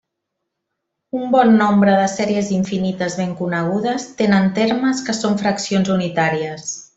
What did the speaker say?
Un bon nombre de sèries infinites ben conegudes tenen termes que són fraccions unitàries.